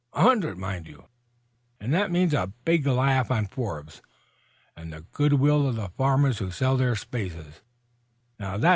A hundred, mind you! and that means a big laugh on Forbes, and the good will of the farmers who sell their spaces, and not a cent out of my pocket.